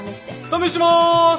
試します！